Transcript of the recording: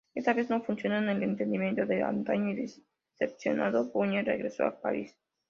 Esta vez no funcionó el entendimiento de antaño y, decepcionado, Buñuel regresó a París.